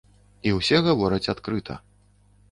І ўсе гавораць адкрыта.